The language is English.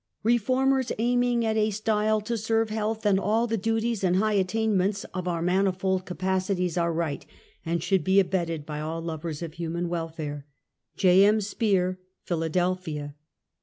Reformers aiming at a style to serve health and all the duties and high attainments of our manifold ca pacities are right, and should be abetted by all lovers of human welfare. J. M. Spear, Philadelphia.